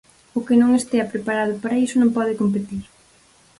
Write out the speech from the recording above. O que non estea preparado para iso non pode competir.